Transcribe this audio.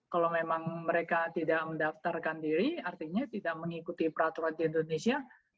kalau memang mereka tidak mendaftarkan diri artinya tidak mengikuti peraturan di indonesia